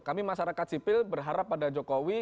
kami masyarakat sipil berharap pada jokowi